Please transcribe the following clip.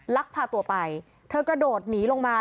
ลักพาตัวไปเธอกระโดดหนีลงมา